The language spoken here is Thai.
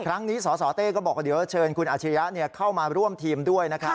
ครั้งนี้สสเต้ก็บอกว่าเดี๋ยวเชิญคุณอาชิริยะเข้ามาร่วมทีมด้วยนะครับ